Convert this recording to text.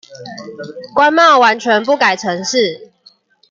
關貿完全不改程式